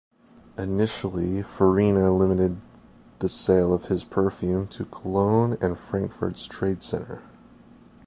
Initially, Farina limited the sale of his perfume to Cologne and Frankfurt's trade centre.